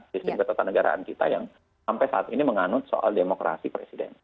sistem ketatanegaraan kita yang sampai saat ini menganut soal demokrasi presiden